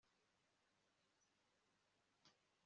kubera ko nasigaranye abana babiri